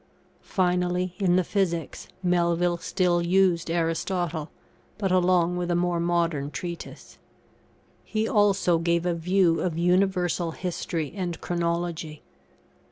Finally, in the Physics, Melville still used Aristotle, but along with a more modern treatise. He also gave a view of Universal History and Chronology.